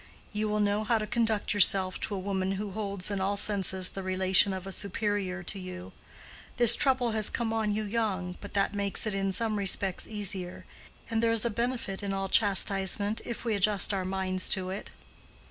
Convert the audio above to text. You will know how to conduct yourself to a woman who holds in all senses the relation of a superior to you. This trouble has come on you young, but that makes it in some respects easier, and there is a benefit in all chastisement if we adjust our minds to it."